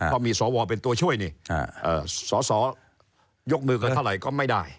พอมีสวเป็นตัวช่วยนี่สสยกมือกันเท่าไหร่ก็ไม่ได้